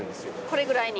これぐらいに？